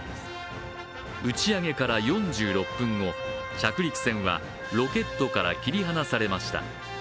打ち上げから４６分後、着陸船はロケットから切り離されました。